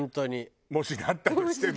もしなったとしても。